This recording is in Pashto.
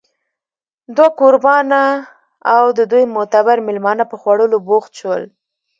دوه کوربانه او د دوی معتبر مېلمانه په خوړلو بوخت شول